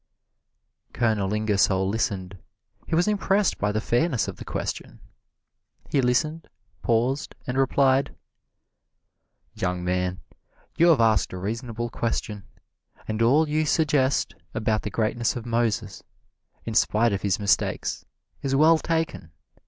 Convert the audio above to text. Colonel Ingersoll listened he was impressed by the fairness of the question. He listened, paused and replied: "Young man, you have asked a reasonable question, and all you suggest about the greatness of Moses, in spite of his mistakes, is well taken.